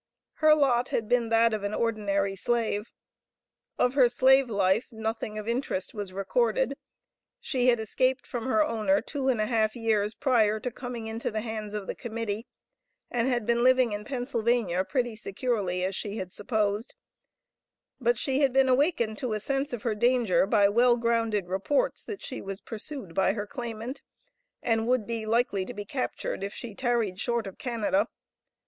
Her lot had been that of an ordinary slave. Of her slave life nothing of interest was recorded. She had escaped from her owner two and a half years prior to coming into the hands of the Committee, and had been living in Pennsylvania pretty securely as she had supposed, but she had been awakened to a sense of her danger by well grounded reports that she was pursued by her claimant, and would be likely to be captured if she tarried short of Canada.